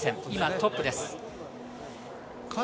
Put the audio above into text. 今トップです。